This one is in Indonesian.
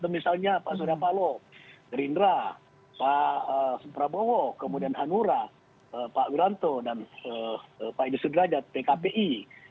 misalnya pak zulafalo gerindra pak suprabowo kemudian hanura pak geranto dan pak idrisudrajat pkpi